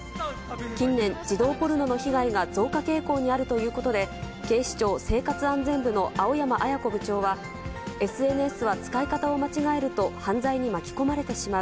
近年、児童ポルノの被害が増加傾向にあるということで、警視庁生活安全部の青山彩子部長は、ＳＮＳは使い方を間違えると、犯罪に巻き込まれてしまう。